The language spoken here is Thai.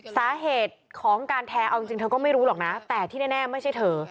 สาเหตุของการแท้เอาจริงเธอก็ไม่รู้หรอกนะแต่ที่แน่ไม่ใช่เธอ